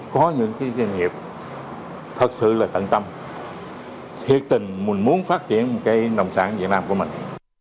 có những cái doanh nghiệp thật sự là tận tâm thiệt tình mình muốn phát triển cái nông sản việt nam của mình